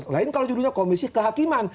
lain kalau judulnya komisi kehakiman